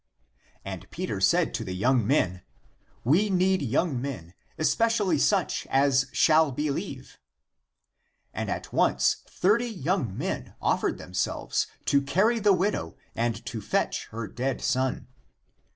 And Peter said to the young men, " We need young men, espe cially such as shall believe," And at once thirty young men offered themselves to carry the widow and to fetch her dead son.